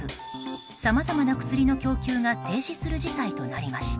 さまざまな薬の供給が停止する事態となりました。